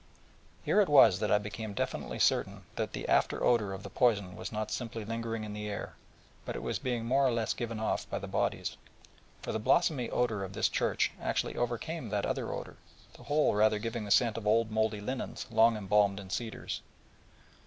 Here it was that I became definitely certain that the after odour of the poison was not simply lingering in the air, but was being more or less given off by the bodies: for the blossomy odour of this church actually overcame that other odour, the whole rather giving the scent of old mouldy linens long embalmed in cedars.